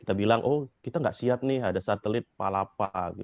kita bilang oh kita gak siap nih ada satelit palapa